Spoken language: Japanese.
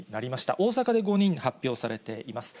大阪で５人発表されています。